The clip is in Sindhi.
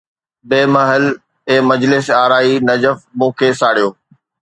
بي محل، اي مجلس آرائي نجف! مون کي ساڙيو